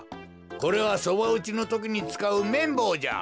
これはそばうちのときにつかうめんぼうじゃ。